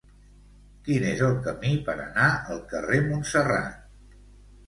Quin és el camí per anar al carrer Montserrat?